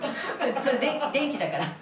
それ電気だから。